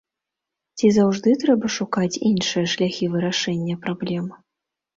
Ці заўжды трэба шукаць іншыя шляхі вырашэння праблем?